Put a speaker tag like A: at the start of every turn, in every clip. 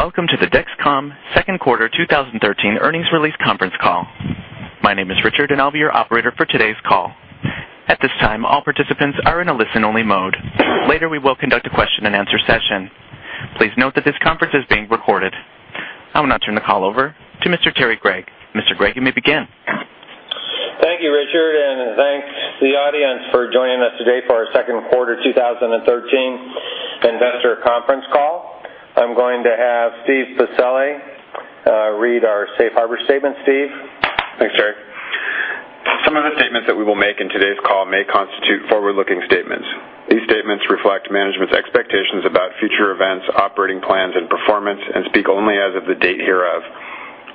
A: Welcome to the Dexcom Second Quarter 2013 earnings release conference call. My name is Richard, and I'll be your operator for today's call. At this time, all participants are in a listen-only mode. Later, we will conduct a question-and-answer session. Please note that this conference is being recorded. I will now turn the call over to Mr. Terry Gregg. Mr. Gregg, you may begin.
B: Thank you, Richard, and thanks to the audience for joining us today for our second quarter 2013 investor conference call. I'm going to have Steve Pacelli read our safe harbor statement. Steve?
C: Thanks, Terry. Some of the statements that we will make in today's call may constitute forward-looking statements. These statements reflect management's expectations about future events, operating plans, and performance and speak only as of the date hereof.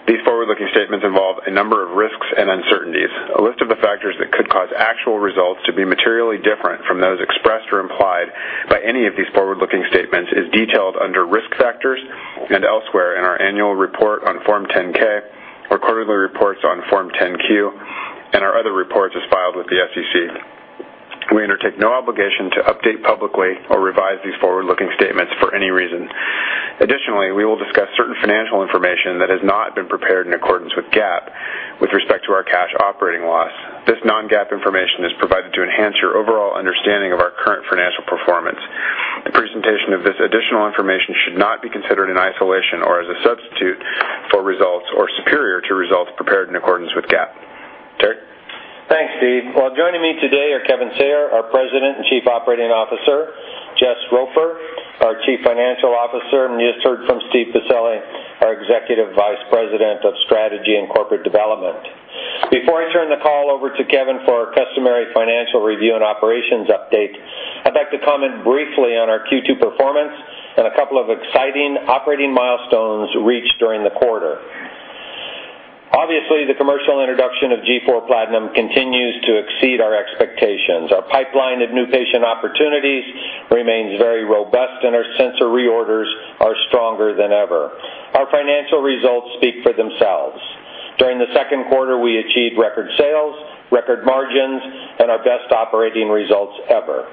C: These forward-looking statements involve a number of risks and uncertainties. A list of the factors that could cause actual results to be materially different from those expressed or implied by any of these forward-looking statements is detailed under Risk Factors and elsewhere in our annual report on Form 10-K, quarterly reports on Form 10-Q, and our other reports as filed with the SEC. We undertake no obligation to update publicly or revise these forward-looking statements for any reason. Additionally, we will discuss certain financial information that has not been prepared in accordance with GAAP with respect to our cash operating loss. This non-GAAP information is provided to enhance your overall understanding of our current financial performance. The presentation of this additional information should not be considered in isolation or as a substitute for results or superior to results prepared in accordance with GAAP. Terry?
B: Thanks, Steve. Well, joining me today are Kevin Sayer, our President and Chief Operating Officer, Jess Roper, our Chief Financial Officer, and you just heard from Steve Pacelli, our Executive Vice President of Strategy and Corporate Development. Before I turn the call over to Kevin for our customary financial review and operations update, I'd like to comment briefly on our Q2 performance and a couple of exciting operating milestones reached during the quarter. Obviously, the commercial introduction of G4 PLATINUM continues to exceed our expectations. Our pipeline of new patient opportunities remains very robust, and our sensor reorders are stronger than ever. Our financial results speak for themselves. During the second quarter, we achieved record sales, record margins, and our best operating results ever.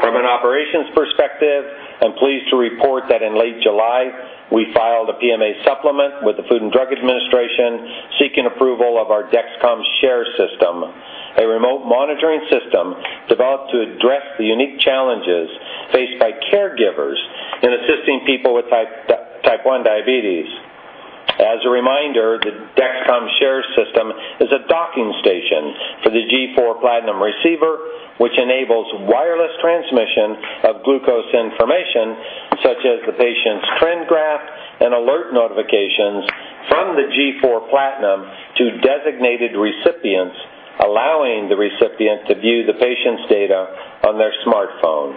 B: From an operations perspective, I'm pleased to report that in late July, we filed a PMA supplement with the Food and Drug Administration seeking approval of our Dexcom SHARE system, a remote monitoring system developed to address the unique challenges faced by caregivers in assisting people with Type 1 diabetes. As a reminder, the Dexcom SHARE system is a docking station for the G4 PLATINUM receiver, which enables wireless transmission of glucose information, such as the patient's trend graph and alert notifications from the G4 PLATINUM to designated recipients, allowing the recipient to view the patient's data on their smartphone.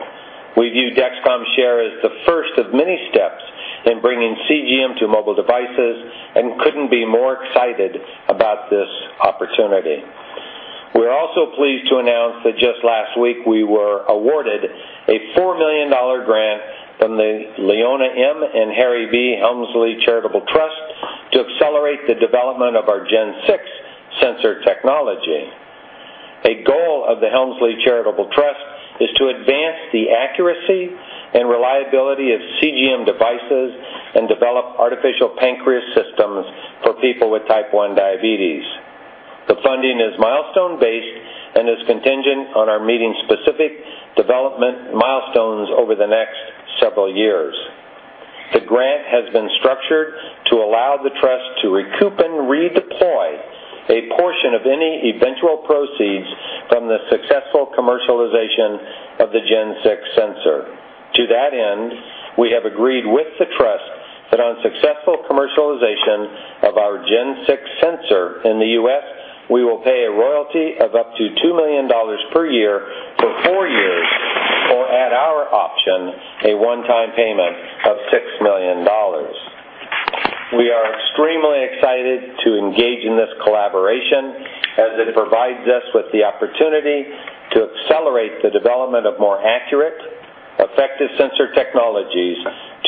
B: We view Dexcom SHARE as the first of many steps in bringing CGM to mobile devices and couldn't be more excited about this opportunity. We're also pleased to announce that just last week, we were awarded a $4 million grant from the Leona M. and Harry B. Helmsley Charitable Trust to accelerate the development of our Gen 6 sensor technology. A goal of the Helmsley Charitable Trust is to advance the accuracy and reliability of CGM devices and develop artificial pancreas systems for people with Type 1 diabetes. The funding is milestone-based and is contingent on our meeting specific development milestones over the next several years. The grant has been structured to allow the trust to recoup and redeploy a portion of any eventual proceeds from the successful commercialization of the Gen 6 sensor. To that end, we have agreed with the trust that on successful commercialization of our Gen 6 sensor in the U.S., we will pay a royalty of up to $2 million per year for four years or, at our option, a one-time payment of $6 million. We are extremely excited to engage in this collaboration as it provides us with the opportunity to accelerate the development of more accurate, effective sensor technologies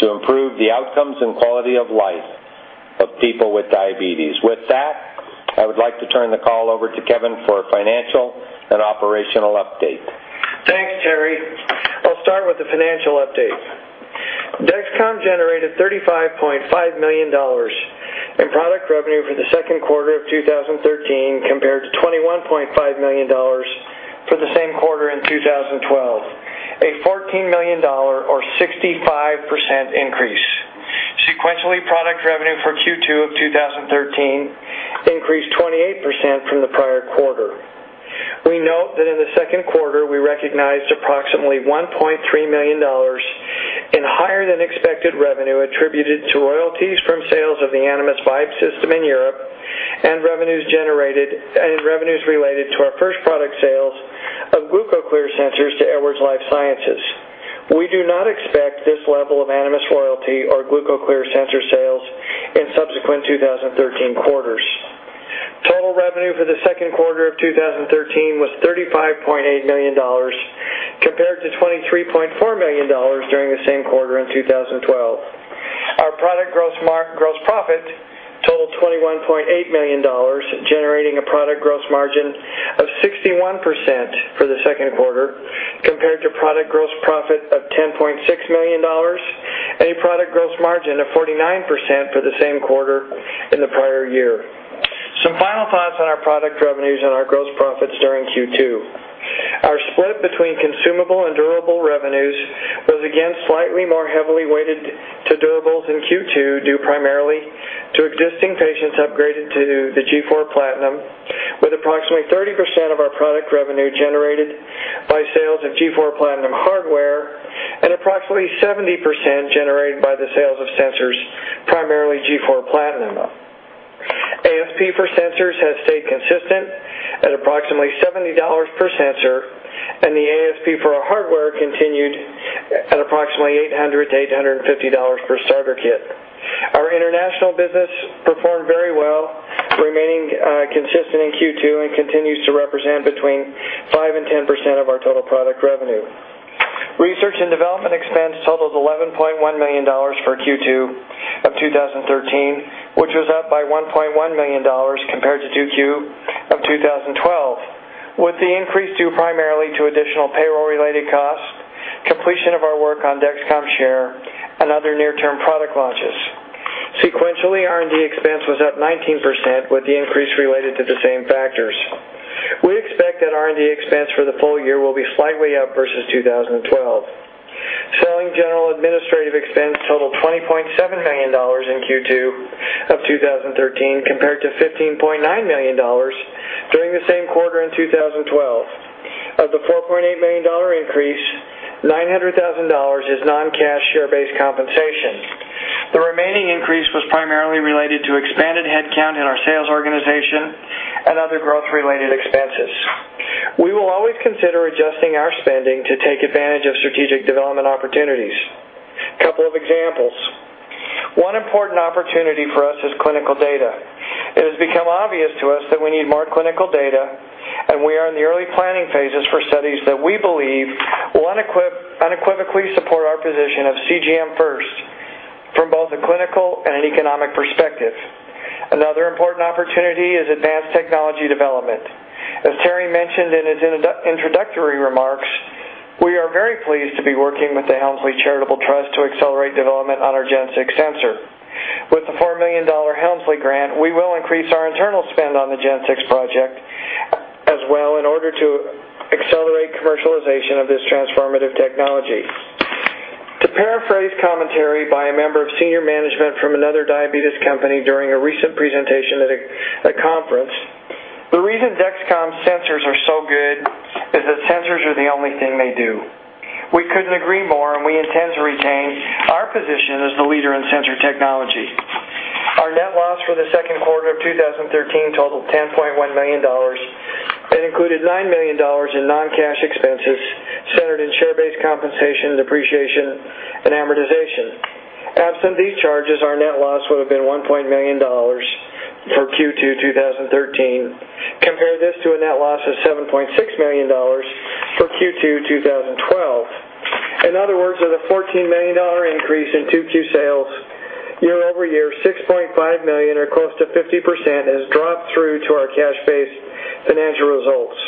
B: to improve the outcomes and quality of life of people with diabetes. With that, I would like to turn the call over to Kevin for financial and operational update.
D: Thanks, Terry. I'll start with the financial update. Dexcom generated $35.5 million in product revenue for the second quarter of 2013 compared to $21.5 million for the same quarter in 2012, a $14 million or 65% increase. Sequentially, product revenue for Q2 of 2013 increased 28% from the prior quarter. We note that in the second quarter, we recognized approximately $1.3 million in higher-than-expected revenue attributed to royalties from sales of the Animas Vibe system in Europe and revenues generated and revenues related to our first product sales of GlucoClear sensors to Edwards Lifesciences. We do not expect this level of Animas royalty or GlucoClear sensor sales in subsequent 2013 quarters. Total revenue for the second quarter of 2013 was $35.8 million, compared to $23.4 million during the same quarter in 2012. Our product gross profit totaled $21.8 million, generating a product gross margin of 61% for the second quarter compared to product gross profit of $10.6 million and a product gross margin of 49% for the same quarter in the prior year. Some final thoughts on our product revenues and our gross profits during Q2. Our split between consumable and durable revenues was again slightly more heavily weighted to durables in Q2, due primarily to existing patients upgraded to the G4 PLATINUM, with approximately 30% of our product revenue generated by sales of G4 PLATINUM hardware and approximately 70% generated by the sales of sensors, primarily G4 PLATINUM. ASP for sensors has stayed consistent at approximately $70 per sensor, and the ASP for our hardware continued at approximately $800-$850 per starter kit. Our international business performed very well, remaining consistent in Q2 and continues to represent between 5% and 10% of our total product revenue. Research and development expense totaled $11.1 million for Q2 of 2013, which was up by $1.1 million compared to 2Q of 2012, with the increase due primarily to additional payroll-related costs, completion of our work on Dexcom SHARE and other near-term product launches. Sequentially, R&D expense was up 19%, with the increase related to the same factors. We expect that R&D expense for the full year will be slightly up versus 2012. Selling general administrative expense totaled $20.7 million in Q2 of 2013, compared to $15.9 million during the same quarter in 2012. Of the $4.8 million increase, $900,000 is non-cash share-based compensation. The remaining increase was primarily related to expanded headcount in our sales organization and other growth-related expenses. We will always consider adjusting our spending to take advantage of strategic development opportunities. A couple of examples. One important opportunity for us is clinical data. It has become obvious to us that we need more clinical data, and we are in the early planning phases for studies that we believe will unequivocally support our position of CGM first from both a clinical and an economic perspective. Another important opportunity is advanced technology development. As Terry mentioned in his introductory remarks, we are very pleased to be working with the Helmsley Charitable Trust to accelerate development on our Gen 6 sensor. With the $4 million Helmsley grant, we will increase our internal spend on the Gen 6 project as well in order to accelerate commercialization of this transformative technology. To paraphrase commentary by a member of senior management from another diabetes company during a recent presentation at a conference, the reason Dexcom sensors are so good is that sensors are the only thing they do. We couldn't agree more, and we intend to retain our position as the leader in sensor technology. Our net loss for the second quarter of 2013 totaled $10.1 million and included $9 million in non-cash expenses centered in share-based compensation, depreciation and amortization. Absent these charges, our net loss would have been $1.1 million for Q2 2013. Compare this to a net loss of $7.6 million for Q2 2012. In other words, with a $14 million increase in 2Q sales year over year, $6.5 million or close to 50% is dropped through to our cash-based financial results.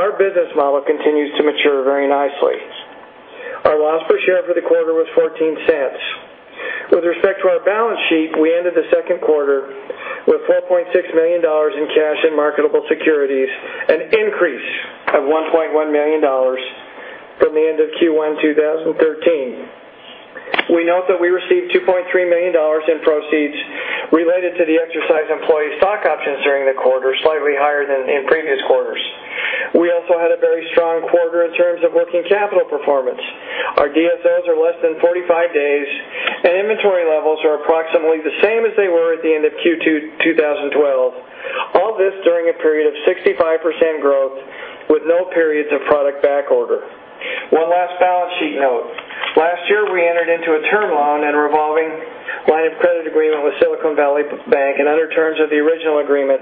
D: Our business model continues to mature very nicely. Our loss per share for the quarter was $0.14. With respect to our balance sheet, we ended the second quarter with $4.6 million in cash and marketable securities, an increase of $1.1 million from the end of Q1 2013. We note that we received $2.3 million in proceeds related to the exercise employee stock options during the quarter, slightly higher than in previous quarters. We also had a very strong quarter in terms of working capital performance. Our DSOs are less than 45 days, and inventory levels are approximately the same as they were at the end of Q2 2012. All this during a period of 65% growth with no periods of product backorder. One last balance sheet note. Last year, we entered into a term loan and revolving line of credit agreement with Silicon Valley Bank. Under terms of the original agreement,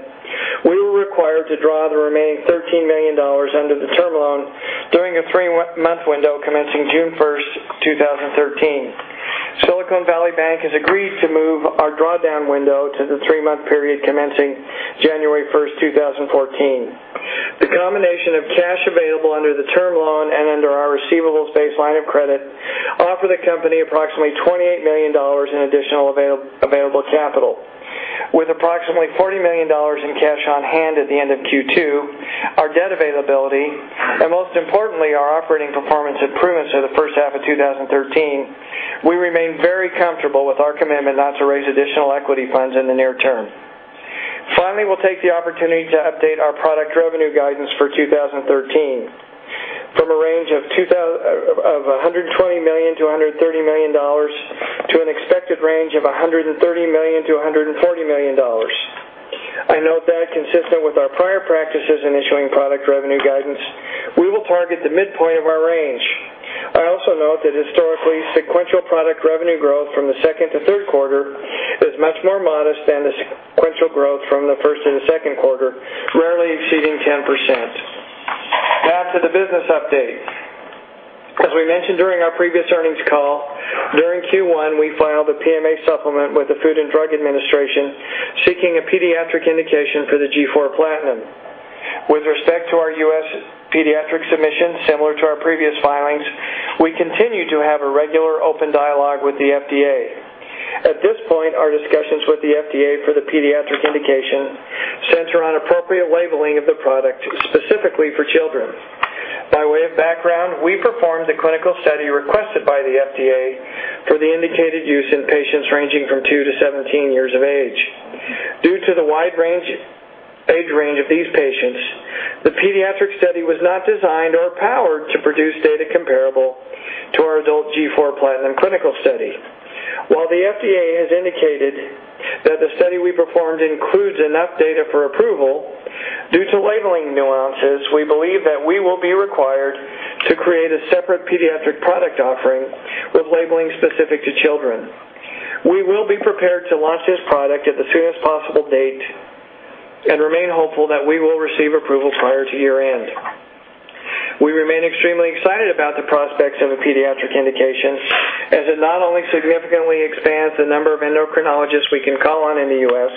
D: we were required to draw the remaining $13 million under the term loan during a three-month window commencing June 1, 2013. Silicon Valley Bank has agreed to move our drawdown window to the three-month period commencing January 1, 2014. The combination of cash available under the term loan and under our receivables-based line of credit offer the company approximately $28 million in additional available capital. With approximately $40 million in cash on hand at the end of Q2, our debt availability and most importantly, our operating performance improvements for the first half of 2013, we remain very comfortable with our commitment not to raise additional equity funds in the near term. Finally, we'll take the opportunity to update our product revenue guidance for 2013 from a range of $120 million-$130 million to an expected range of $130 million-$140 million. I note that consistent with our prior practices in issuing product revenue guidance, we will target the midpoint of our range. I also note that historically, sequential product revenue growth from the second to third quarter is much more modest than the sequential growth from the first to the second quarter, rarely exceeding 10%. Back to the business update. As we mentioned during our previous earnings call, during Q1, we filed a PMA supplement with the Food and Drug Administration, seeking a pediatric indication for the G4 PLATINUM. With respect to our U.S. pediatric submission, similar to our previous filings, we continue to have a regular open dialogue with the FDA. At this point, our discussions with the FDA for the pediatric indication center on appropriate labeling of the product specifically for children. By way of background, we performed the clinical study requested by the FDA for the indicated use in patients ranging from two to 17 years of age. Due to the wide range, age range of these patients, the pediatric study was not designed or powered to produce data comparable to our adult G4 PLATINUM clinical study. While the FDA has indicated that the study we performed includes enough data for approval, due to labeling nuances, we believe that we will be required to create a separate pediatric product offering with labeling specific to children. We will be prepared to launch this product at the soonest possible date and remain hopeful that we will receive approval prior to year-end. We remain extremely excited about the prospects of a pediatric indication, as it not only significantly expands the number of endocrinologists we can call on in the U.S.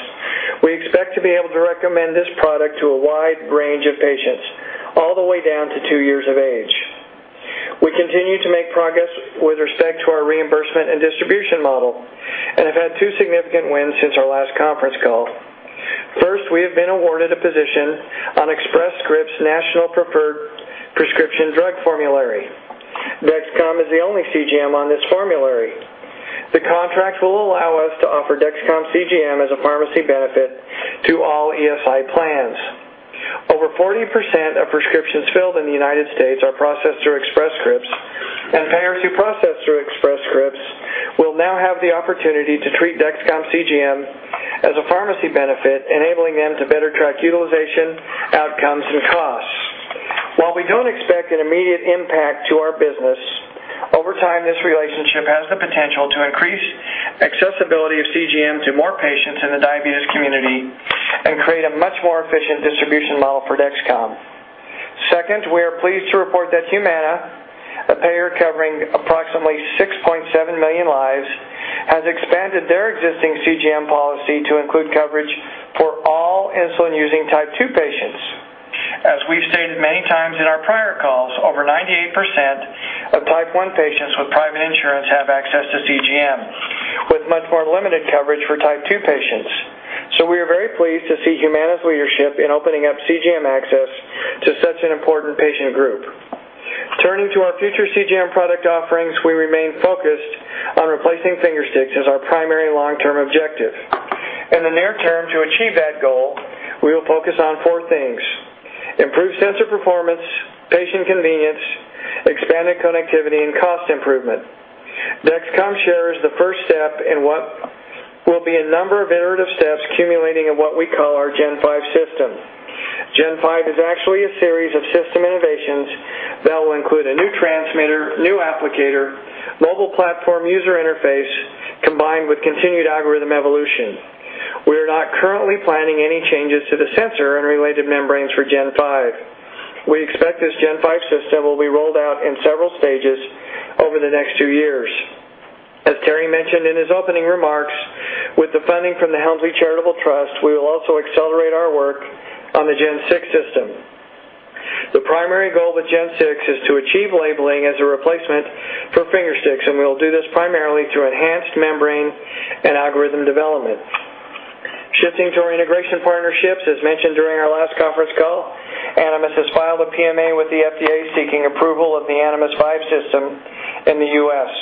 D: We expect to be able to recommend this product to a wide range of patients, all the way down to two years of age. We continue to make progress with respect to our reimbursement and distribution model, and have had two significant wins since our last conference call. First, we have been awarded a position on Express Scripts National Preferred Prescription Drug Formulary. Dexcom is the only CGM on this formulary. The contract will allow us to offer Dexcom CGM as a pharmacy benefit to all ESI plans. Over 40% of prescriptions filled in the United States are processed through Express Scripts, and payers who process through Express Scripts will now have the opportunity to treat Dexcom CGM as a pharmacy benefit, enabling them to better track utilization, outcomes, and costs. While we don't expect an immediate impact to our business, over time, this relationship has the potential to increase accessibility of CGM to more patients in the diabetes community and create a much more efficient distribution model for Dexcom. Second, we are pleased to report that Humana, a payer covering approximately 6.7 million lives, has expanded their existing CGM policy to include coverage for all insulin-using Type 2 patients. As we've stated many times in our prior calls, over 98% of Type 1 patients with private insurance have access to CGM, with much more limited coverage for Type 2 patients. We are very pleased to see Humana's leadership in opening up CGM access to such an important patient group. Turning to our future CGM product offerings, we remain focused on replacing finger sticks as our primary long-term objective. In the near term, to achieve that goal, we will focus on four things, improved sensor performance, patient convenience, expanded connectivity, and cost improvement. Dexcom SHARE is the first step in what will be a number of iterative steps culminating in what we call our Gen 5 system. Gen 5 is actually a series of system innovations that will include a new transmitter, new applicator, mobile platform user interface, combined with continued algorithm evolution. We are not currently planning any changes to the sensor and related membranes for Gen 5. We expect this Gen 5 system will be rolled out in several stages over the next two years. As Terry mentioned in his opening remarks, with the funding from the Helmsley Charitable Trust, we will also accelerate our work on the Gen 6 system. The primary goal with Gen 6 is to achieve labeling as a replacement for finger sticks, and we will do this primarily through enhanced membrane and algorithm development. Shifting to our integration partnerships, as mentioned during our last conference call, Animas has filed a PMA with the FDA seeking approval of the Animas Vibe system in the U.S.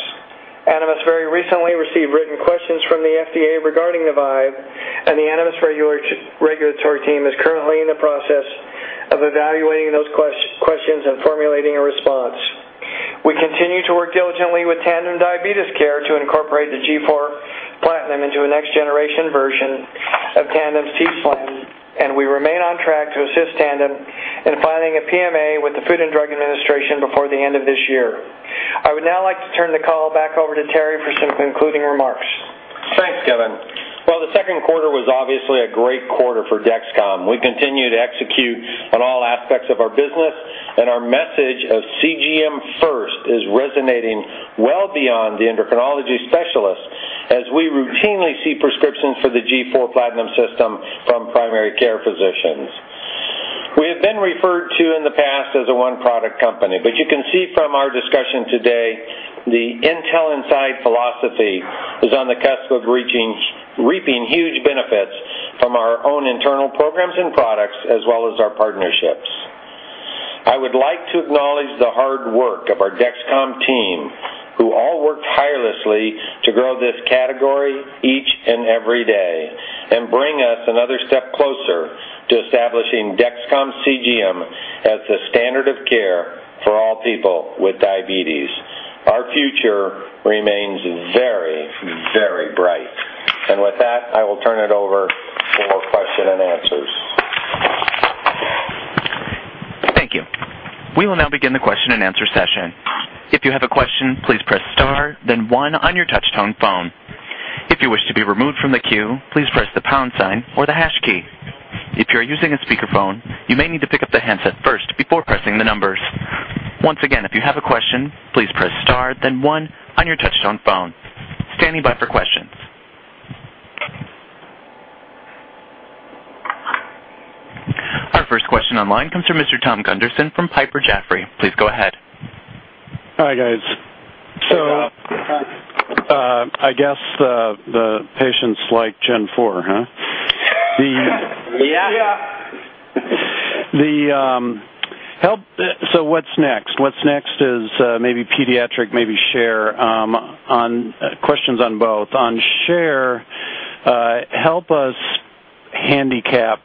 D: Animas very recently received written questions from the FDA regarding the Vibe, and the Animas regulatory team is currently in the process of evaluating those questions and formulating a response. We continue to work diligently with Tandem Diabetes Care to incorporate the G4 PLATINUM into a next generation version of Tandem's t:slim, and we remain on track to assist Tandem in filing a PMA with the Food and Drug Administration before the end of this year. I would now like to turn the call back over to Terry for some concluding remarks.
B: Thanks, Kevin. Well, the second quarter was obviously a great quarter for Dexcom. We continue to execute on all aspects of our business, and our message of CGM first is resonating well beyond the endocrinology specialists, as we routinely see prescriptions for the G4 PLATINUM system from primary care physicians. We have been referred to in the past as a one-product company, but you can see from our discussion today, the Intel Inside philosophy is on the cusp of reaping huge benefits from our own internal programs and products, as well as our partnerships. I would like to acknowledge the hard work of our Dexcom team, who all work tirelessly to grow this category each and every day and bring us another step closer to establishing Dexcom CGM as the standard of care for all people with diabetes. Our future remains very, very bright. With that, I will turn it over for question and answers.
A: Thank you. We will now begin the question-and-answer session. If you have a question, please press star then one on your touchtone phone. If you wish to be removed from the queue, please press the pound sign or the hash key. If you're using a speakerphone, you may need to pick up the handset first before pressing the numbers. Once again, if you have a question, please press star then one on your touchtone phone. Standing by for questions. Our first question online comes from Mr. Thomas Gunderson from Piper Jaffray. Please go ahead.
E: Hi, guys. I guess the patients like G4, huh?
D: Yeah.
E: What's next? What's next is maybe pediatric, maybe share on questions on both. On share, help us handicap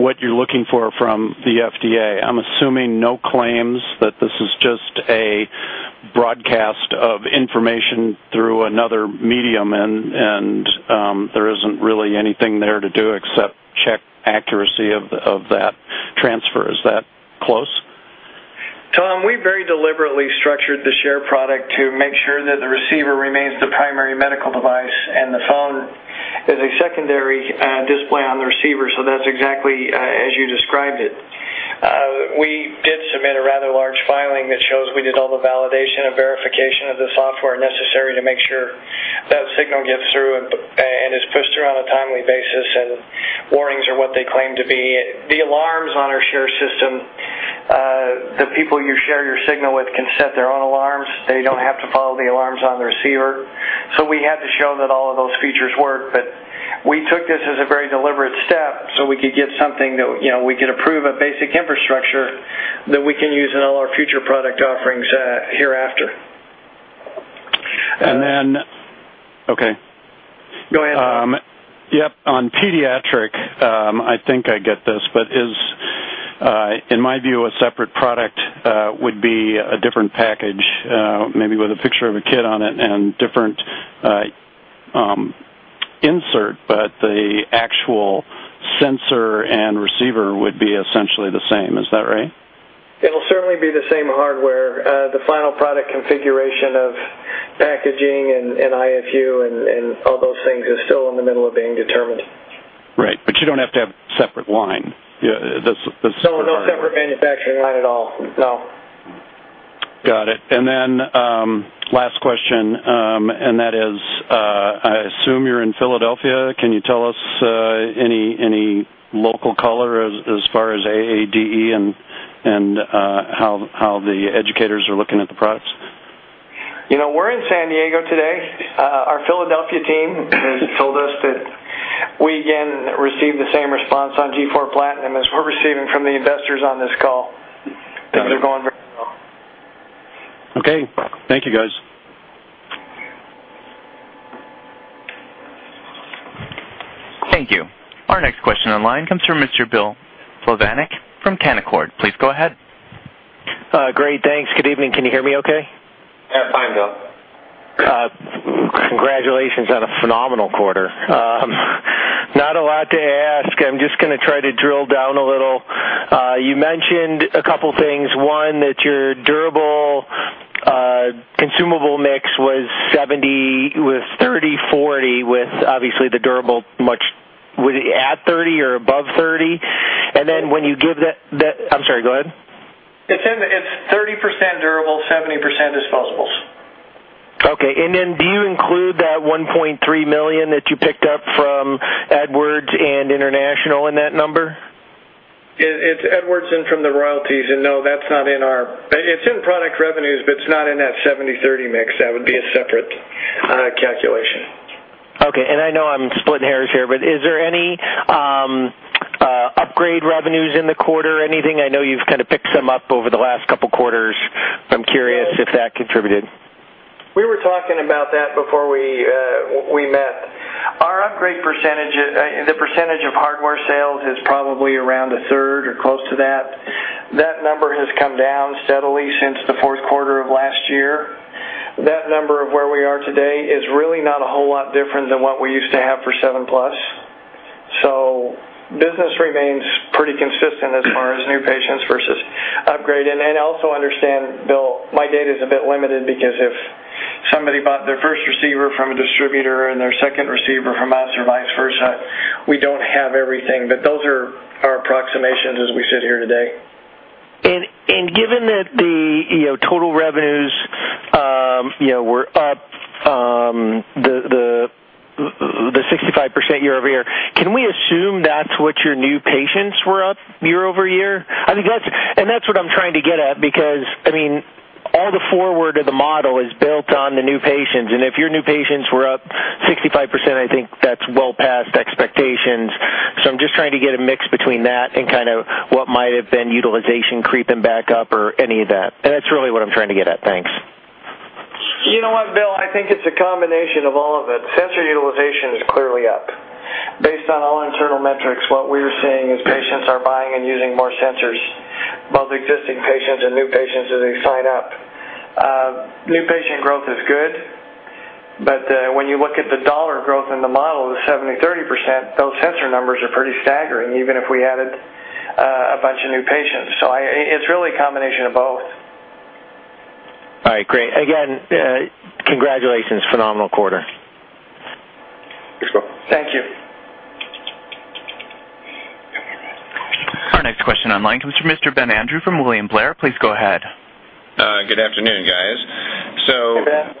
E: what you're looking for from the FDA. I'm assuming no claims that this is just a broadcast of information through another medium and there isn't really anything there to do except check accuracy of that transfer. Is that close?
D: Tom, we very deliberately structured the SHARE product to make sure that the receiver remains the primary medical device, and the phone is a secondary display on the receiver. That's exactly as you described it. We did submit a rather large filing that shows we did all the validation and verification of the software necessary to make sure that signal gets through and is pushed through on a timely basis, and warnings are what they claim to be. The alarms on our SHARE system, the people you share your signal with can set their own alarms. They don't have to follow the alarms on the receiver. We had to show that all of those features work, but we took this as a very deliberate step, so we could get something that, you know, we could approve a basic infrastructure that we can use in all our future product offerings, hereafter.
E: Okay.
D: Go ahead, Tom.
E: Yep. On pediatric, I think I get this, but in my view a separate product would be a different package, maybe with a picture of a kid on it and different insert, but the actual sensor and receiver would be essentially the same. Is that right?
D: It'll certainly be the same hardware. The final product configuration of packaging and IFU and all those things is still in the middle of being determined.
E: Right. You don't have to have separate line. Yeah.
D: No separate manufacturing line at all. No.
E: Got it. Last question, and that is, I assume you're in Philadelphia. Can you tell us any local color as far as AADE and how the educators are looking at the products?
D: You know, we're in San Diego today. Our Philadelphia team has told us that we again receive the same response on G4 PLATINUM as we're receiving from the investors on this call. Things are going very well.
E: Okay. Thank you, guys.
A: Thank you. Our next question online comes from Mr. Bill Plovanic from Canaccord Genuity. Please go ahead.
F: Great, thanks. Good evening. Can you hear me okay?
D: Yeah. Fine, Bill.
F: Congratulations on a phenomenal quarter. Not a lot to ask. I'm just gonna try to drill down a little. You mentioned a couple things. One, that your durable consumable mix was 70 with 30/40 with obviously the durable much. Was it at 30 or above 30? Then when you give that. I'm sorry. Go ahead.
D: It's 30% durable, 70% disposables.
F: Okay. Do you include that $1.3 million that you picked up from Edwards and international in that number?
D: It's Edwards and from the royalties. No, that's not in our. It's in product revenues, but it's not in that 70/30 mix. That would be a separate calculation.
F: Okay. I know I'm splitting hairs here, but is there any upgrade revenues in the quarter or anything? I know you've kind of picked some up over the last couple quarters. I'm curious if that contributed.
D: We were talking about that before we met. Our upgrade percentage in the percentage of hardware sales is probably around a third or close to that. That number has come down steadily since the fourth quarter of last year. That number of where we are today is really not a whole lot different than what we used to have for Seven Plus. Business remains pretty consistent as far as new patients versus upgrade. Also understand, Bill, my data is a bit limited because if somebody bought their first receiver from a distributor and their second receiver from us or vice versa, we don't have everything. Those are our approximations as we sit here today.
F: Given that the, you know, total revenues were up the 65% year-over-year, can we assume that's what your new patients were up year-over-year? I think that's, and that's what I'm trying to get at because, I mean, all the forward of the model is built on the new patients. If your new patients were up 65%, I think that's well past expectations. I'm just trying to get a mix between that and kind of what might have been utilization creeping back up or any of that. That's really what I'm trying to get at. Thanks.
B: You know what, Bill? I think it's a combination of all of it. Sensor utilization is clearly up. Based on all internal metrics, what we're seeing is patients are buying and using more sensors, both existing patients and new patients as they sign up. New patient growth is good. when you look at the dollar growth in the model, the 70%, 30%, those sensor numbers are pretty staggering, even if we added a bunch of new patients. It's really a combination of both.
F: All right, great. Again, congratulations. Phenomenal quarter.
B: Thank you.
A: Our next question online comes from Mr. Ben Andrew from William Blair. Please go ahead.
G: Good afternoon, guys.
B: Hi,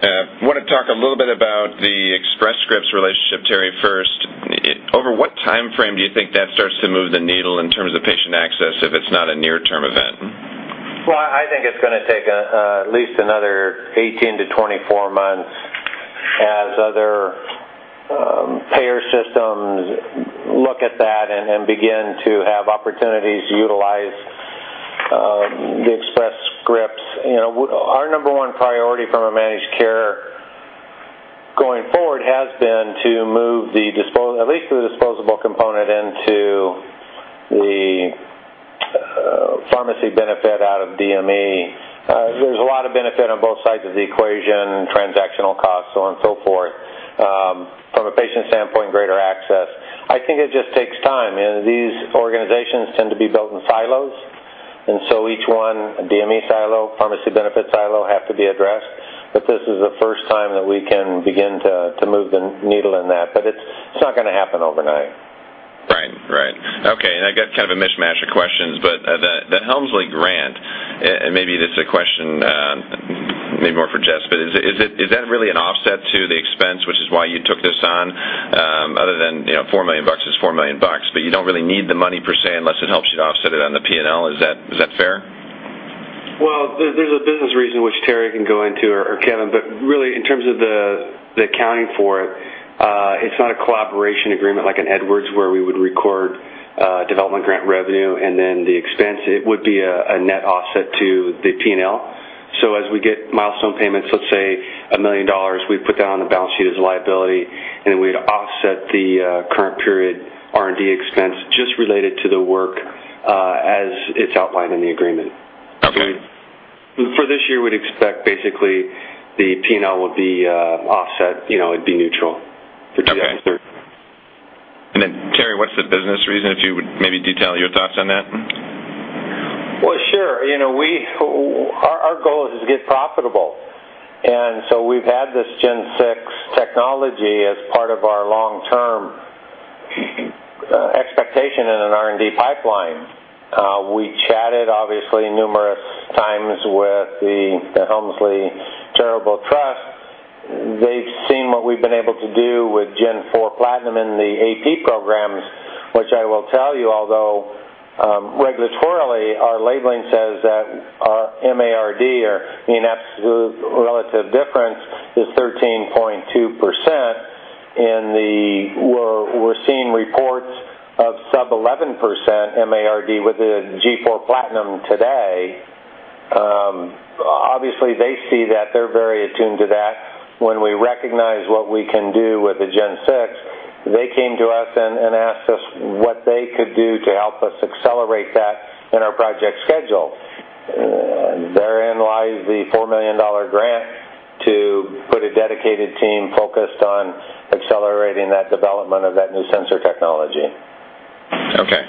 B: Ben.
G: Want to talk a little bit about the Express Scripts relationship, Terry, first. Over what time frame do you think that starts to move the needle in terms of patient access if it's not a near-term event?
B: Well, I think it's gonna take at least another 18-24 months as other payer systems look at that and begin to have opportunities to utilize the Express Scripts. You know, our number one priority from a managed care going forward has been to move at least the disposable component into the pharmacy benefit out of DME. There's a lot of benefit on both sides of the equation, transactional costs, so on and so forth. From a patient standpoint, greater access. I think it just takes time. You know, these organizations tend to be built in silos. Each one, a DME silo, pharmacy benefit silo, have to be addressed. This is the first time that we can begin to move the needle in that. It's not gonna happen overnight.
G: Right. Okay. I got kind of a mishmash of questions, but the Helmsley grant, and maybe this is a question maybe more for Jess, but is that really an offset to the expense, which is why you took this on, other than you know $4 million is $4 million, but you don't really need the money per se unless it helps you offset it on the P&L? Is that fair?
H: Well, there's a business reason which Terry can go into or Kevin, but really in terms of the accounting for it's not a collaboration agreement like in Edwards, where we would record development grant revenue and then the expense. It would be a net offset to the P&L. As we get milestone payments, let's say $1 million, we put that on the balance sheet as a liability, and then we'd offset the current period R&D expense just related to the work as it's outlined in the agreement.
G: Okay.
H: For this year, we'd expect basically the P&L would be offset, it'd be neutral for 2030.
G: Okay. Terry, what's the business reason, if you would maybe detail your thoughts on that?
B: Well, sure. You know, our goal is to get profitable. We've had this Gen 6 technology as part of our long-term expectation in an R&D pipeline. We chatted obviously numerous times with the Helmsley Charitable Trust. They've seen what we've been able to do with Gen 4 Platinum in the AP programs, which I will tell you, although regulatorily, our labeling says that our MARD or mean absolute relative difference is 13.2%, and we're seeing reports of sub-11% MARD with the G4 PLATINUM today. Obviously, they see that. They're very attuned to that. When we recognize what we can do with the Gen 6, they came to us and asked us what they could do to help us accelerate that in our project schedule. Therein lies the $4 million grant to put a dedicated team focused on accelerating that development of that new sensor technology.
G: Okay.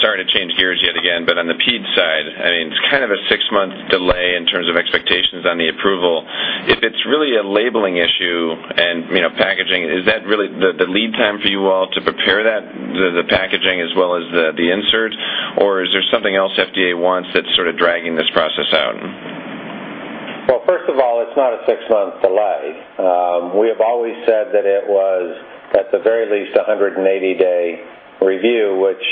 G: Sorry to change gears yet again, but on the peds side, I mean, it's kind of a six-month delay in terms of expectations on the approval. If it's really a labeling issue and, you know, packaging, is that really the lead time for you all to prepare that, the packaging as well as the insert, or is there something else FDA wants that's sort of dragging this process out?
B: Well, first of all, it's not a six-month delay. We have always said that it was at the very least a 180-day review, which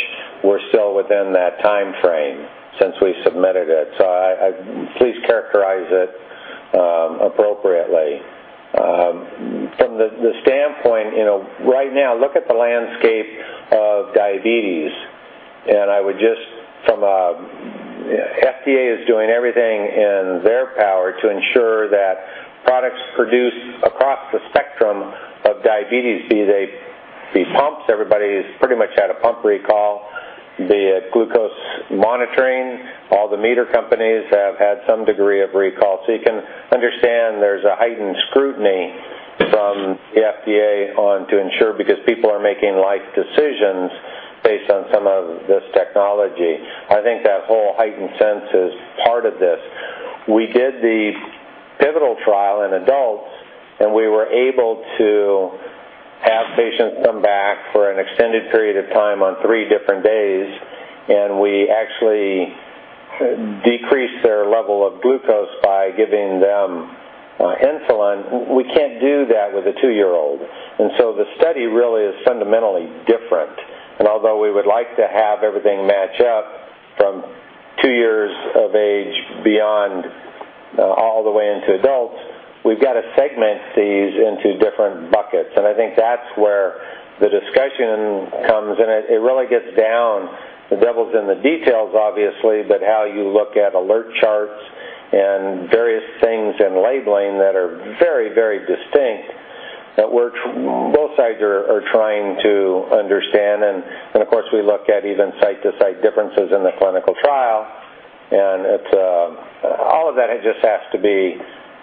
B: we're still within that timeframe since we submitted it. Please characterize it appropriately. From the standpoint, you know, right now, look at the landscape of diabetes. FDA is doing everything in their power to ensure that products produced across the spectrum of diabetes, be they pumps, everybody's pretty much had a pump recall. The glucose monitoring, all the meter companies have had some degree of recall. You can understand there's a heightened scrutiny from the FDA, to ensure because people are making life decisions based on some of this technology. I think that whole heightened sense is part of this. We did the pivotal trial in adults, and we were able to have patients come back for an extended period of time on three different days, and we actually decreased their level of glucose by giving them insulin. We can't do that with a two-year-old. The study really is fundamentally different. Although we would like to have everything match up from two years of age beyond all the way into adults, we've got to segment these into different buckets. I think that's where the discussion comes, and it really gets down. The devil's in the details, obviously, but how you look at alert charts and various things and labeling that are very, very distinct that we're both sides are trying to understand. Of course, we look at even site-to-site differences in the clinical trial.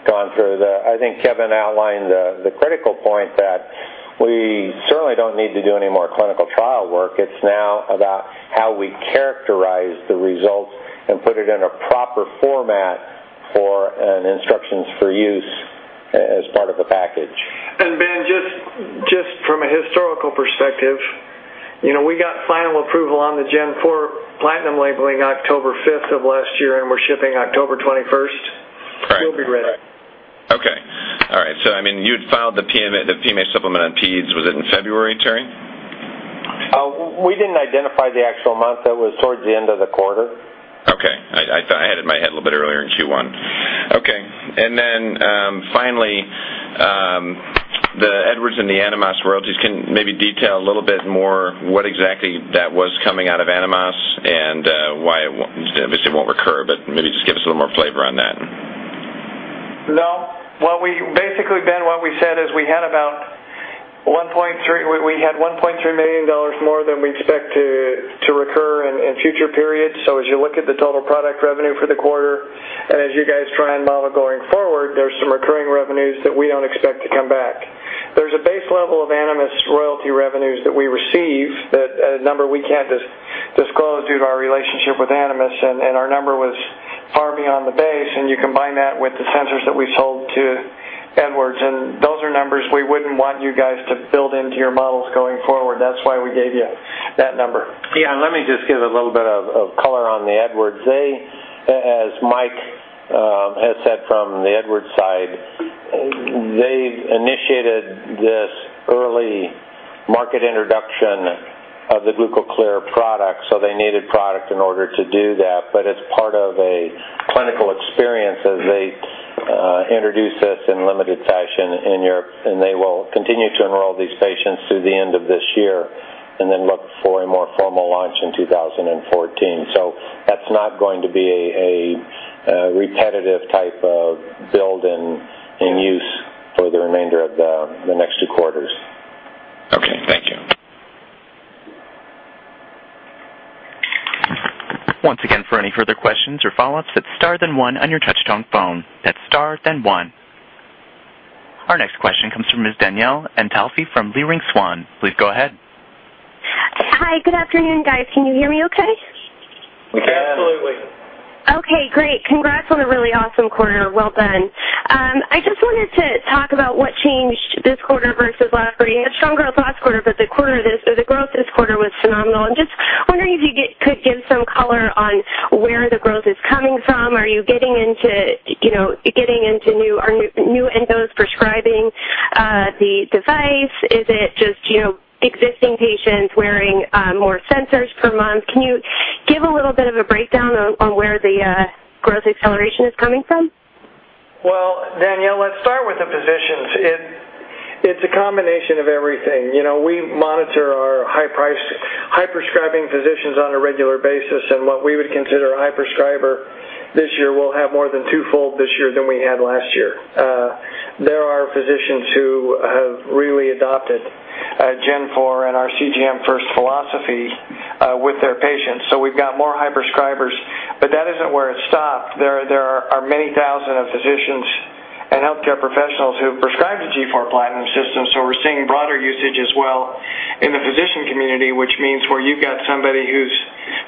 B: I think Kevin outlined the critical point that we certainly don't need to do any more clinical trial work. It's now about how we characterize the results and put it in a proper format for instructions for use as part of a package.
D: Ben, just from a historical perspective, you know, we got final approval on the G4 PLATINUM labeling October fifth of last year, and we're shipping October 21st
G: Right.
D: We'll be ready.
G: Okay. All right. I mean, you had filed the PMA supplement on peds. Was it in February, Terry?
D: We didn't identify the actual month. That was towards the end of the quarter.
G: Okay. I thought I had in my head a little bit earlier in Q1. Okay. Finally, the Edwards and the Animas royalties can maybe detail a little bit more what exactly that was coming out of Animas and why it obviously won't recur, but maybe just give us a little more flavor on that.
D: No. Well, we basically, Ben, what we said is we had about $1.3 million more than we expect to recur in future periods. As you look at the total product revenue for the quarter, and as you guys try and model going forward, there's some recurring revenues that we don't expect to come back. There's a base level of Animas royalty revenues that we receive that, a number we can't disclose due to our relationship with Animas, and our number was far beyond the base. You combine that with the sensors that we sold to Edwards, and those are numbers we wouldn't want you guys to build into your models going forward. That's why we gave you that number.
B: Yeah. Let me just give a little bit of color on the Edwards. They as Mike has said from the Edwards side, they've initiated this early market introduction of the GlucoClear product, so they needed product in order to do that. As part of a clinical experience as they introduce this in limited fashion in Europe, and they will continue to enroll these patients through the end of this year and then look for a more formal launch in 2014. That's not going to be a repetitive type of build and use for the remainder of the next two quarters.
G: Okay. Thank you.
A: Once again, for any further questions or follow-ups, it's star then one on your touchtone phone. That's star then one. Our next question comes from Ms. Danielle Antalffy from Leerink Swann. Please go ahead.
I: Hi. Good afternoon, guys. Can you hear me okay?
D: Yes.
B: Absolutely.
I: Okay, great. Congrats on a really awesome quarter. Well done. I just wanted to talk about what changed this quarter versus last quarter. You had strong growth last quarter, but the growth this quarter was phenomenal. I'm just wondering if you could give some color on where the growth is coming from. Are you getting into, you know, new endos prescribing the device? Is it just, you know, existing patients wearing more sensors per month? Can you give a little bit of a breakdown on where the growth acceleration is coming from?
D: Well, Danielle, let's start with the physicians. It's a combination of everything. You know, we monitor our high prescribing physicians on a regular basis. What we would consider a high prescriber this year will have more than twofold this year than we had last year. There are physicians who have really adopted Gen 4 and our CGM first philosophy with their patients. We've got more high prescribers. That isn't where it stopped. There are many thousands of physicians and healthcare professionals who have prescribed the G4 PLATINUM system. We're seeing broader usage as well in the physician community, which means where you've got somebody who's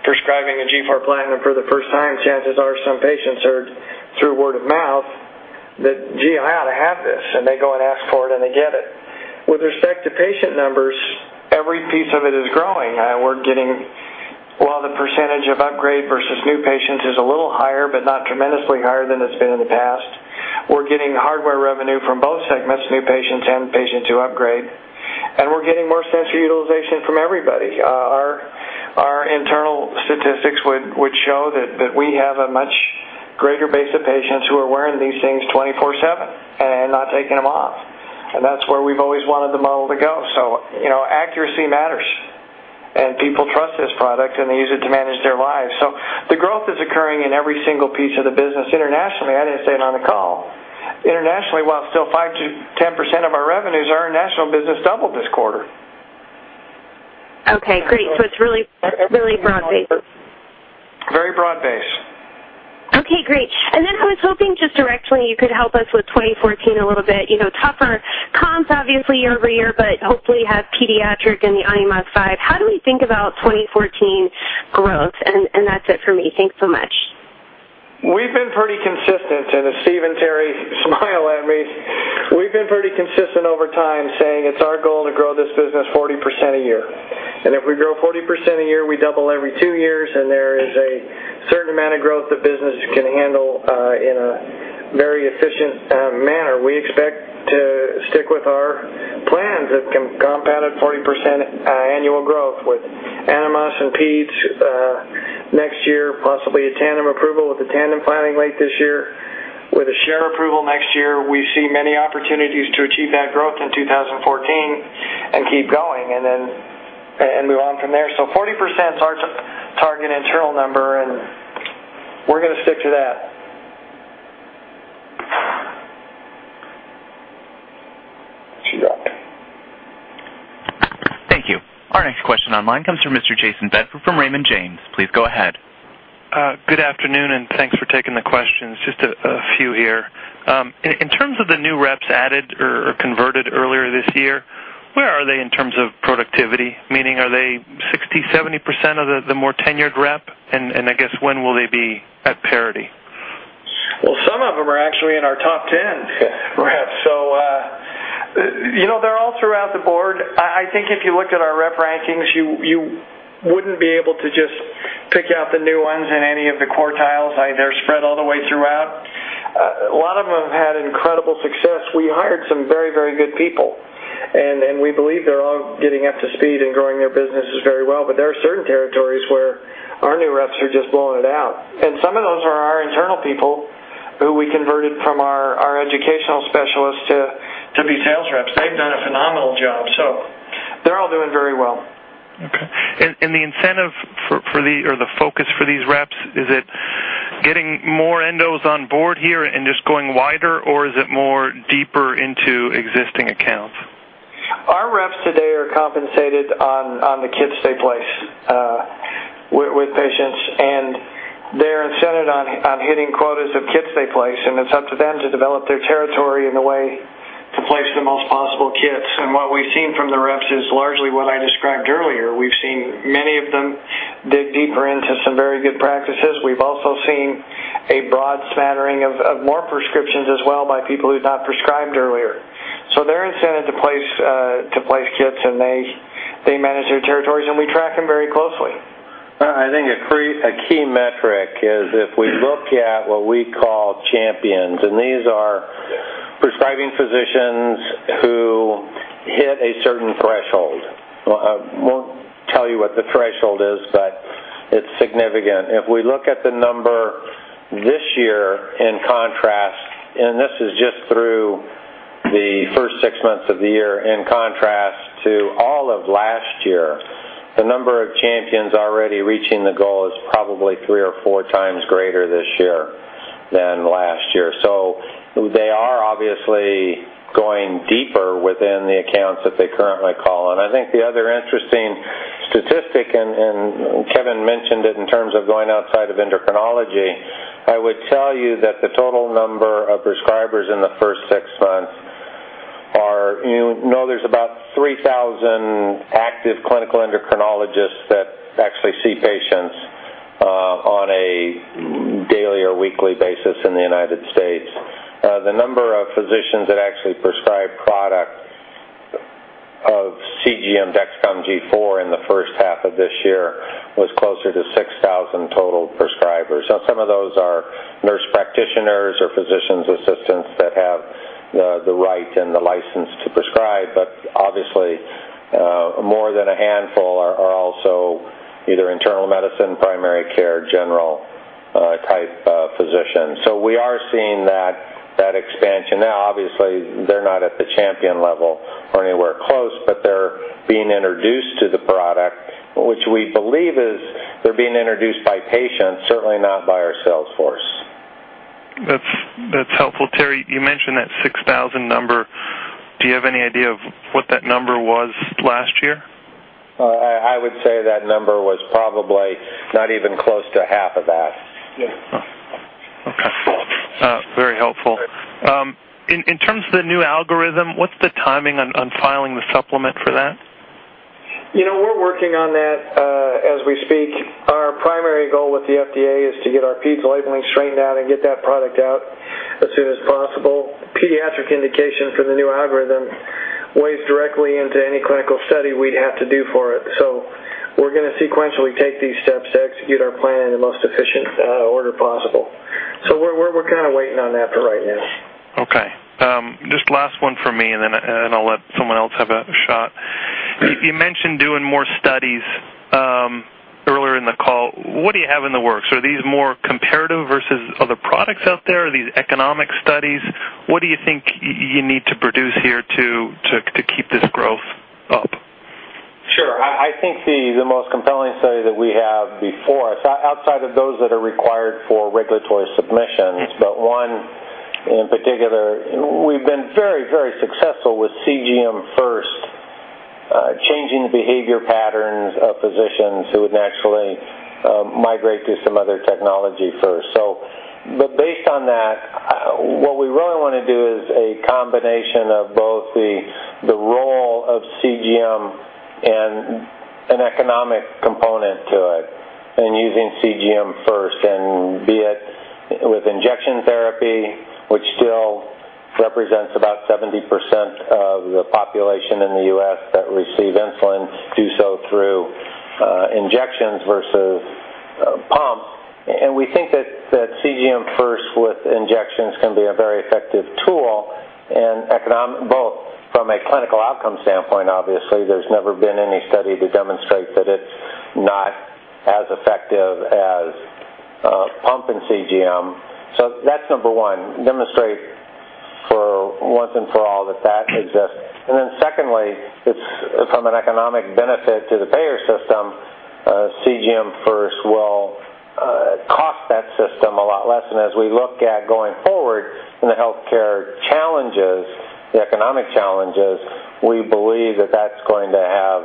D: prescribing a G4 PLATINUM for the first time, chances are some patients heard through word of mouth that, "Gee, I ought to have this." They go and ask for it, and they get it. With respect to patient numbers, every piece of it is growing. We're getting—while the percentage of upgrade versus new patients is a little higher but not tremendously higher than it's been in the past, we're getting hardware revenue from both segments, new patients and patients who upgrade. We're getting more sensor utilization from everybody. Our internal statistics would show that we have a much greater base of patients who are wearing these things 24/7 and not taking them off. That's where we've always wanted the model to go. you know, accuracy matters. People trust this product, and they use it to manage their lives. The growth is occurring in every single piece of the business. Internationally, I didn't say it on the call. Internationally, while it's still 5%-10% of our revenues, our international business doubled this quarter.
I: Okay, great. It's really, really broad-based.
D: Very broad-based.
I: Okay, great. Then I was hoping just directly you could help us with 2014 a little bit. You know, tougher comps obviously year-over-year, but hopefully you have pediatric and the Animas Vibe. How do we think about 2014 growth? That's it for me. Thanks so much.
D: We've been pretty consistent. As Steve and Terry smile at me, we've been pretty consistent over time saying it's our goal to grow this business 40% a year. If we grow 40% a year, we double every two years, and there is a certain amount of growth the business can handle in a very efficient manner. We expect to stick with our plans of compounded 40% annual growth with Animas and peds next year, possibly a Tandem approval with the Tandem filing late this year. With a SHARE approval next year, we see many opportunities to achieve that growth in 2014 and keep going and then move on from there. 40%'s our target internal number, and we're gonna stick to that.
A: Thank you. Our next question online comes from Mr. Jayson Bedford from Raymond James. Please go ahead.
J: Good afternoon, and thanks for taking the questions. Just a few here. In terms of the new reps added or converted earlier this year, where are they in terms of productivity? Meaning are they 60%-70% of the more tenured rep? I guess when will they be at parity?
D: Well, some of them are actually in our top ten reps. You know, they're all throughout the board. I think if you look at our rep rankings, you wouldn't be able to just pick out the new ones in any of the quartiles. They're spread all the way throughout. A lot of them have had incredible success. We hired some very good people. We believe they're all getting up to speed and growing their businesses very well. There are certain territories where our new reps are just blowing it out. Some of those are our internal people who we converted from our educational specialists to be sales reps. They've done a phenomenal job, so they're all doing very well.
J: The incentive for or the focus for these reps, is it getting more endos on board here and just going wider, or is it more deeper into existing accounts?
D: Our reps today are compensated on the kits they place with patients, and they're incented on hitting quotas of kits they place. It's up to them to develop their territory in the way to place the most possible kits. What we've seen from the reps is largely what I described earlier. We've also seen a broad smattering of more prescriptions as well by people who've not prescribed earlier. They're incented to place kits, and they manage their territories, and we track them very closely.
B: I think a key metric is if we look at what we call champions, and these are prescribing physicians who hit a certain threshold. I won't tell you what the threshold is, but it's significant. If we look at the number this year in contrast, and this is just through the first six months of the year in contrast to all of last year, the number of champions already reaching the goal is probably three or four times greater this year than last year. They are obviously going deeper within the accounts that they currently call on. I think the other interesting statistic, and Kevin mentioned it in terms of going outside of endocrinology. I would tell you that the total number of prescribers in the first six months are, you know, there's about 3,000 active clinical endocrinologists that actually see patients on a daily or weekly basis in the United States. The number of physicians that actually prescribe products of CGM Dexcom G4 in the first half of this year was closer to 6,000 total prescribers. Now some of those are nurse practitioners or physician assistants that have the right and the license to prescribe, but obviously, more than a handful are also either internal medicine, primary care, general type physicians. We are seeing that expansion. Now obviously they're not at the champion level or anywhere close, but they're being introduced to the product, which we believe they're being introduced by patients, certainly not by our sales force.
J: That's helpful. Terry, you mentioned that 6,000 number. Do you have any idea of what that number was last year?
B: I would say that number was probably not even close to half of that.
J: Okay. Very helpful. In terms of the new algorithm, what's the timing on filing the supplement for that?
D: You know, we're working on that as we speak. Our primary goal with the FDA is to get our peds labeling straightened out and get that product out as soon as possible. Pediatric indication for the new algorithm weighs directly into any clinical study we'd have to do for it. We're gonna sequentially take these steps to execute our plan in the most efficient order possible. We're kind of waiting on that for right now.
J: Okay. Just last one for me, and then I'll let someone else have a shot. You mentioned doing more studies earlier in the call. What do you have in the works? Are these more comparative versus other products out there? Are these economic studies? What do you think you need to produce here to keep this growth up?
B: Sure. I think the most compelling study that we have before us, outside of those that are required for regulatory submissions, but one in particular, we've been very successful with CGM first, changing the behavior patterns of physicians who would naturally migrate to some other technology first. Based on that, what we really wanna do is a combination of both the role of CGM and an economic component to it, and using CGM first, and be it with injection therapy, which still represents about 70% of the population in the U.S. that receive insulin do so through injections versus pumps. We think that CGM first with injections can be a very effective tool and economic, both from a clinical outcome standpoint. Obviously, there's never been any study to demonstrate that it's not as effective as pump and CGM. That's number one, demonstrate for once and for all that exists. Secondly, it's from an economic benefit to the payer system, CGM first will them a lot less. As we look at going forward in the healthcare challenges, the economic challenges, we believe that that's going to have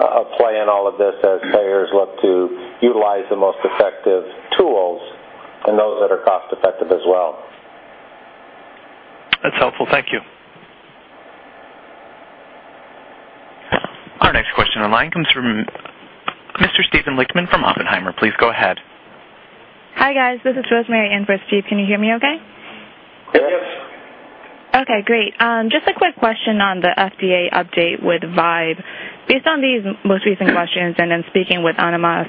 B: a play in all of this as payers look to utilize the most effective tools and those that are cost effective as well.
J: That's helpful. Thank you.
A: Our next question online comes from Mr. Steven Lichtman from Oppenheimer. Please go ahead.
K: Hi, guys. This is Rosemary in for Steve, can you hear me okay?
C: Yes.
K: Okay, great. Just a quick question on the FDA update with Vibe. Based on these most recent questions and then speaking with Animas,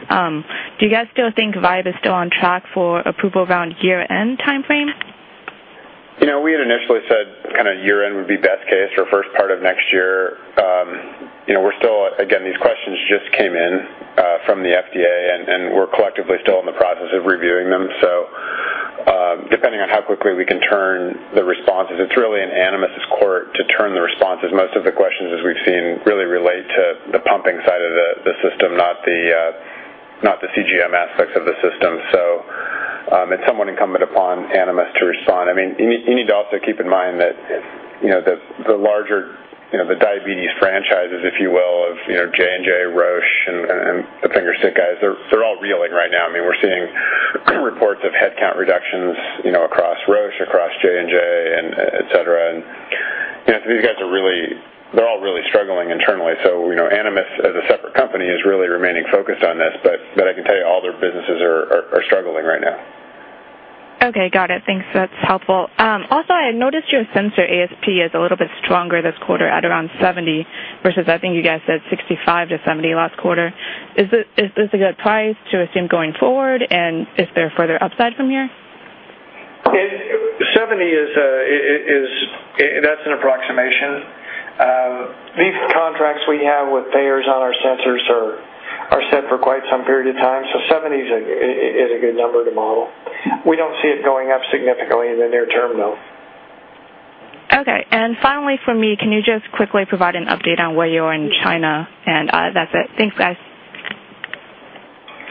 K: do you guys still think Vibe is still on track for approval around year-end timeframe?
B: You know, we had initially said kinda year-end would be best case or first part of next year. You know, these questions just came in from the FDA and we're collectively still in the process of reviewing them. Depending on how quickly we can turn the responses, it's really in Animas' court to turn the responses. Most of the questions, as we've seen, really relate to the pumping side of the system, not the CGM aspects of the system. It's somewhat incumbent upon Animas to respond. I mean, you need to also keep in mind that, you know, the larger, you know, the diabetes franchises, if you will, of, you know, J&J, Roche and the finger stick guys, they're all reeling right now. I mean, we're seeing reports of headcount reductions, you know, across Roche, across J&J and, et cetera. You know, so these guys are really, they're all really struggling internally. You know, Animas as a separate company is really remaining focused on this. I can tell you all their businesses are struggling right now.
K: Okay. Got it. Thanks. That's helpful. Also, I noticed your sensor ASP is a little bit stronger this quarter at around $70 versus I think you guys said $65-$70 last quarter. Is this a good price to assume going forward, and is there further upside from here?
B: $70 is, that's an approximation. These contracts we have with payers on our sensors are set for quite some period of time, so $70 is a good number to model. We don't see it going up significantly in the near term, though.
K: Okay. Finally from me, can you just quickly provide an update on where you are in China? That's it. Thanks, guys.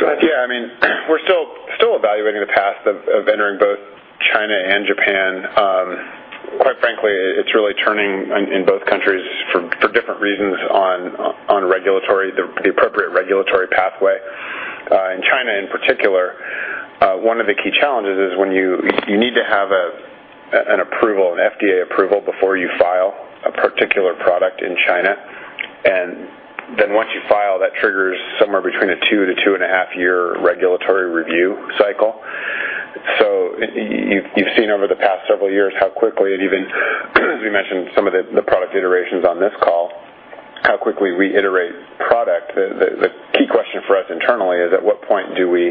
B: Go ahead. Yeah. I mean, we're still evaluating the path of entering both China and Japan. Quite frankly, it's really turning in both countries for different reasons on the appropriate regulatory pathway. In China in particular, one of the key challenges is when you need to have an FDA approval before you file a particular product in China. Once you file, that triggers somewhere between a 2-2.5 year regulatory review cycle. You've seen over the past several years how quickly even as we mentioned some of the product iterations on this call, how quickly we iterate product. The key question for us internally is at what point do we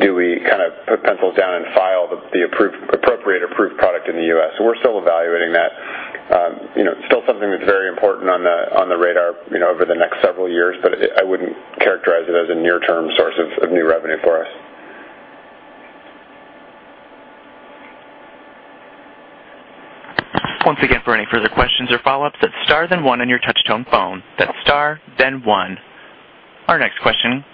B: kind of put pencils down and file the appropriate approved product in the U.S.? We're still evaluating that. You know, still something that's very important on the radar, you know, over the next several years, but I wouldn't characterize it as a near-term source of new revenue for us.
A: Once again, for any further questions or follow-ups, it's star then one on your touch tone phone. That's star then one. Our next question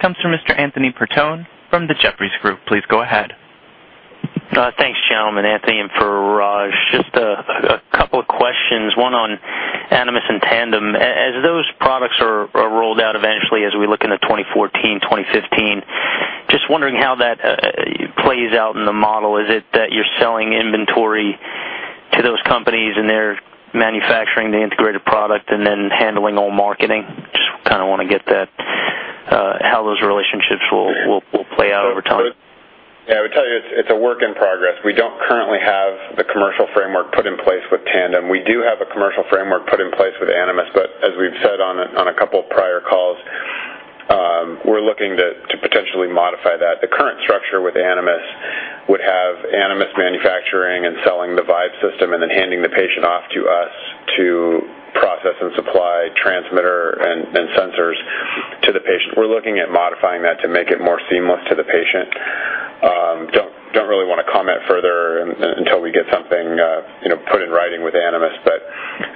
A: comes from Mr. Anthony Petrone from the Jefferies Group. Please go ahead.
L: Thanks, gentlemen. Anthony in for Raj. Just a couple of questions, one on Animas and Tandem. As those products are rolled out eventually as we look into 2014, 2015, just wondering how that plays out in the model. Is it that you're selling inventory to those companies and they're manufacturing the integrated product and then handling all marketing? Just kinda wanna get that, how those relationships will play out over time.
D: Yeah. I would tell you it's a work in progress. We don't currently have the commercial framework put in place with Tandem. We do have a commercial framework put in place with Animas. As we've said on a couple of prior calls, we're looking to potentially modify that. The current structure with Animas would have Animas manufacturing and selling the Vibe system and then handing the patient off to us to process and supply transmitter and sensors to the patient. We're looking at modifying that to make it more seamless to the patient. Don't really wanna comment further until we get something, you know, put in writing with Animas.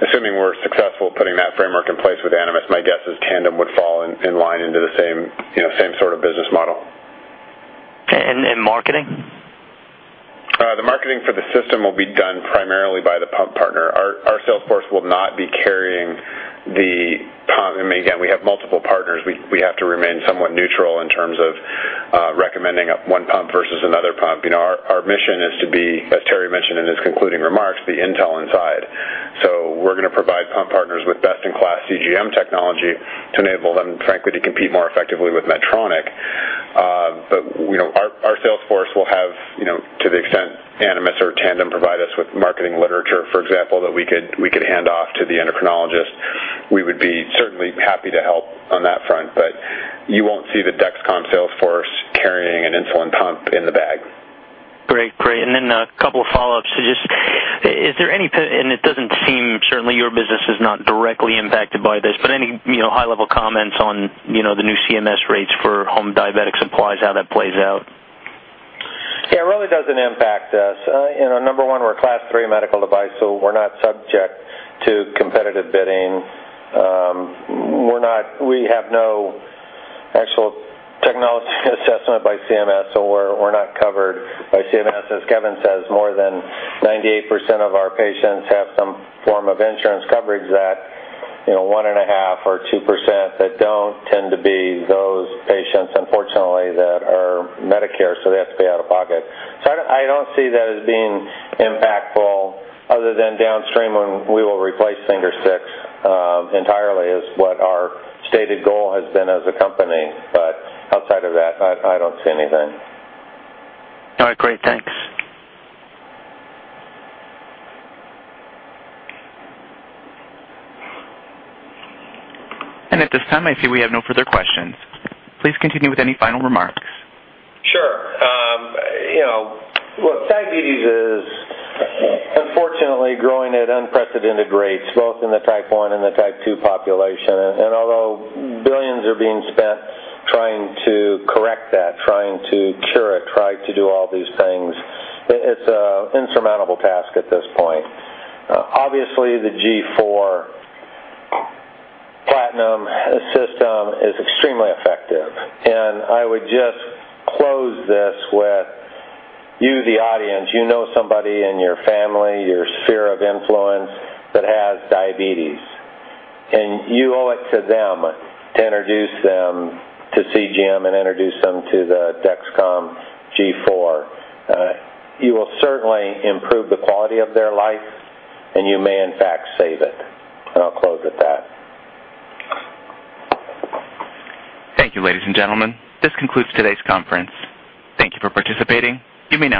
D: Assuming we're successful putting that framework in place with Animas, my guess is Tandem would fall in line into the same, you know, same sort of business model.
L: In marketing?
D: The marketing for the system will be done primarily by the pump partner. Our sales force will not be carrying the pump. I mean, again, we have multiple partners. We have to remain somewhat neutral in terms of recommending one pump versus another pump. You know, our mission is to be, as Terry mentioned in his concluding remarks, the Intel Inside. We're gonna provide pump partners with best-in-class CGM technology to enable them, frankly, to compete more effectively with Medtronic. You know, our sales force will have, you know, to the extent Animas or Tandem provide us with marketing literature, for example, that we could hand off to the endocrinologist. We would be certainly happy to help on that front. You won't see the Dexcom sales force carrying an insulin pump in the bag.
L: Great. A couple of follow-ups. It doesn't seem, certainly, your business is not directly impacted by this, but any, you know, high-level comments on, you know, the new CMS rates for home diabetic supplies, how that plays out?
B: Yeah, it really doesn't impact us. You know, number one, we're a Class III medical device, so we're not subject to competitive bidding. Actual technology assessment by CMS, so we're not covered by CMS. As Kevin says, more than 98% of our patients have some form of insurance coverage that, you know, 1.5% or 2% that don't tend to be those patients, unfortunately, that are Medicare, so they have to pay out of pocket. I don't see that as being impactful other than downstream when we will replace finger sticks entirely is what our stated goal has been as a company. Outside of that, I don't see anything.
L: All right, great. Thanks.
A: At this time, I see we have no further questions. Please continue with any final remarks.
B: Sure. You know, look, diabetes is unfortunately growing at unprecedented rates, both in the Type 1 and the Type 2 population. Although billions are being spent trying to correct that, trying to cure it, trying to do all these things, it's an insurmountable task a t this point. Obviously, the G4 PLATINUM system is extremely effective. I would just close this with you, the audience. You know somebody in your family, your sphere of influence that has diabetes, and you owe it to them to introduce them to CGM and introduce them to the Dexcom G4. You will certainly improve the quality of their life, and you may, in fact, save it. I'll close with that.
A: Thank you, ladies and gentlemen. This concludes today's conference. Thank you for participating. You may now disconnect.